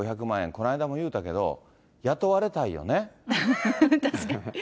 この間も言うたけど、雇われたい確かに。